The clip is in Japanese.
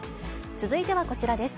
続いてはこちらです。